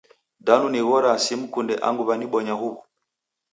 Danu nighoraa simkunde angu wanibonya huw'u?